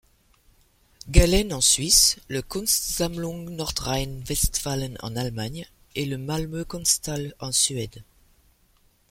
Gallen en Suisse, le Kunstsammlung Nordrhein-Westfalen en Allemagne et le Malmö Konsthall en Suède.